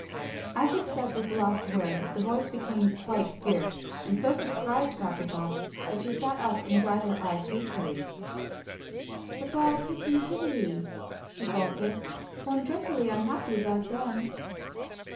As it said this last word the voice became quite fierce, and so surprised Coppertop that she sat up and dried her eyes hastily. "But where are Tibbs and Kiddiwee?" she faltered. "I'm dreadfully unhappy about them."